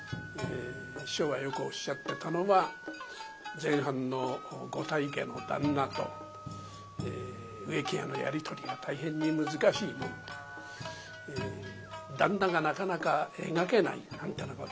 師匠がよくおっしゃってたのは前半のご大家の旦那と植木屋のやり取りが大変に難しいもんで「旦那がなかなか描けない」なんてなことを師匠もよく言っておりました。